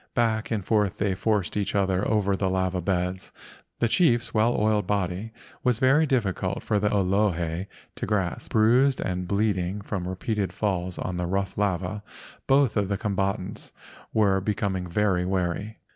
Back and forth they forced each other over the lava beds. The chief's well oiled body was very difficult for the Olohe to grasp. Bruised and bleeding from repeated falls on the rough lava, both of the combatants were becoming very weary.